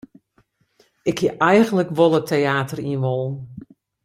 Ik hie eigentlik wol it teäter yn wollen.